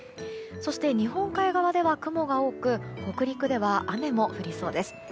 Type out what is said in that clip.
そして、日本海側では雲が多く北陸では雨も降りそうです。